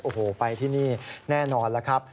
โอ้โหไปที่นี่แน่นอนแล้วครับ